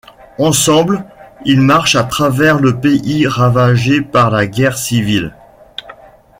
Ensemble, ils marchent à travers le pays ravagé par la guerre civile.